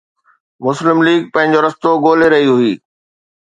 مسلم ليگ پنهنجو رستو ڳولي رهي هئي.